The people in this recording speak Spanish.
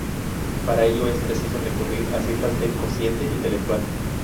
Para ello es preciso recurrir a cifras de cociente intelectual.